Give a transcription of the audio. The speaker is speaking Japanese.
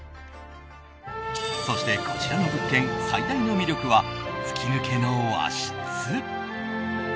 そして、こちらの物件最大の魅力は吹き抜けの和室。